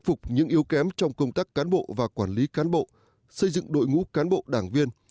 phục những yếu kém trong công tác cán bộ và quản lý cán bộ xây dựng đội ngũ cán bộ đảng viên